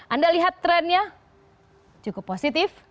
anda lihat trennya cukup positif